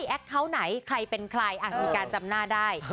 แอคเคาน์ไหนใครเป็นใครมีการจำหน้าได้